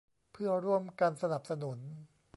เพื่อร่วมกันสนับสนุน